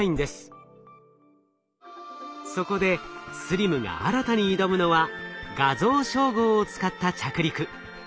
そこでＳＬＩＭが新たに挑むのは画像照合を使った着陸。